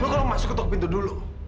lo kalau masuk ke tok pintu dulu